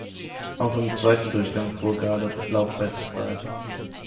Auch im zweiten Durchgang fuhr Gale Laufbestzeit.